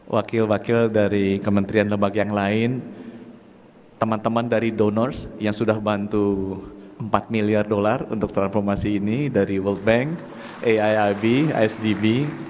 wakil wakil dari kementerian lebak yang lain teman teman dari donor yang sudah bantu empat miliar dolar untuk transformasi ini dari world bank aiib isdb